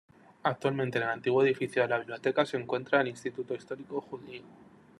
Actualmente, en el antiguo edificio de la biblioteca se encuentra el Instituto Histórico Judío.